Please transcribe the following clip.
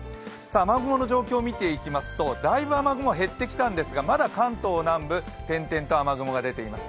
雨雲の状況を見ていきますとだいぶ雨雲は減ってきたんですが、まだ関東南部、転々と雨雲が出ています